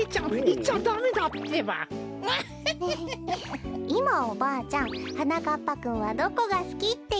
いまおばあちゃんはなかっぱくんはどこがすきっていってた？